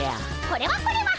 これはこれは。